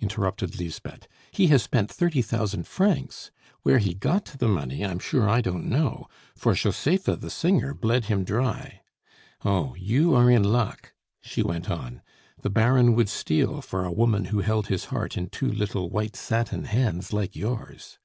interrupted Lisbeth. "He has spent thirty thousand francs! Where he got the money, I am sure I don't know, for Josepha the singer bled him dry. Oh! you are in luck," she went on. "The Baron would steal for a woman who held his heart in two little white satin hands like yours!"